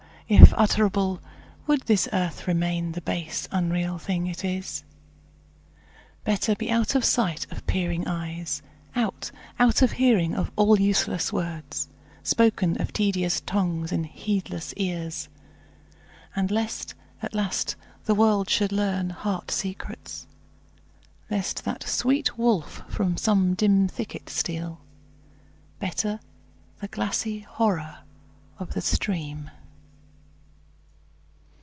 if utterable, would this earth Remain the base, unreal thing it is? Better be out of sight of peering eyes; Out out of hearing of all useless words, Spoken of tedious tongues in heedless ears. And lest, at last, the world should learn heart secrets; Lest that sweet wolf from some dim thicket steal; Better the glassy horror of the stream.